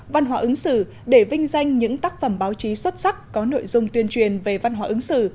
văn hóa ứng xử để vinh danh những tác phẩm báo chí xuất sắc có nội dung tuyên truyền về văn hóa ứng xử